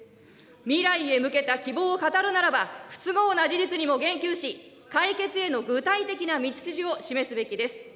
未来へ向けた希望を語るならば、不都合な事実にも言及し、解決への具体的な道筋を示すべきです。